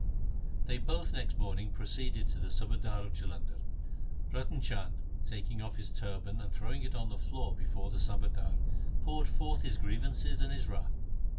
They both next morning proceeded to the subadar of Jalandhar. Ratan Chand, taking off his turban and throwing it on the floor before the subadar, poured forth his grievances and his wrath.